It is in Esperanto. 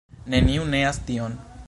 Neniu neas tion.